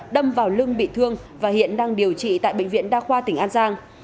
đâm vào lưng bị thương và hiện đang điều trị tại bệnh viện đa khoa tỉnh an giang